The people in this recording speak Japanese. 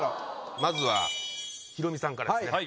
まずはヒロミさんからです。